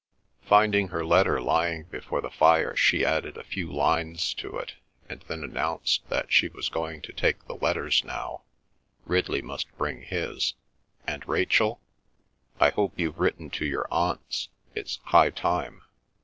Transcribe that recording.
Finding her letter lying before the fire she added a few lines to it, and then announced that she was going to take the letters now—Ridley must bring his—and Rachel? "I hope you've written to your Aunts? It's high time."